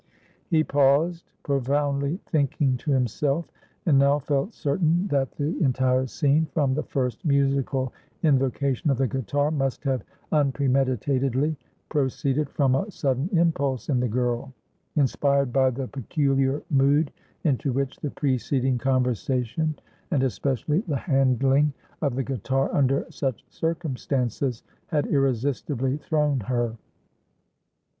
He paused, profoundly thinking to himself, and now felt certain that the entire scene, from the first musical invocation of the guitar, must have unpremeditatedly proceeded from a sudden impulse in the girl, inspired by the peculiar mood into which the preceding conversation, and especially the handling of the guitar under such circumstances, had irresistibly thrown her.